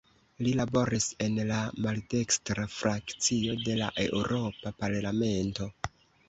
Li laboris en la maldekstra frakcio de la Eŭropa Parlamento.